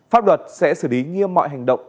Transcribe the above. pháp luật sẽ xử lý nghiêm mọi hành động